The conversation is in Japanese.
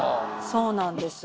そうなんです。